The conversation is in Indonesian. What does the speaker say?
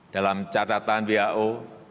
dalam catatan who